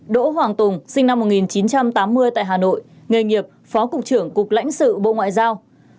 đỗ hoàng tùng sinh năm một nghìn chín trăm tám mươi tại hà nội nghề nghiệp phó cục trưởng cục lãnh sự bộ ngoại giao